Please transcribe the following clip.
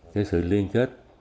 cái sự liên kết